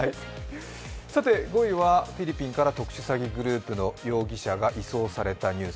さて５位はフィリピンから特殊詐欺グループの容疑者が移送されたニュース。